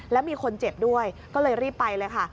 แล้วมีคนเจ็บด้วยก็เลยรีบไปเลยค่ะ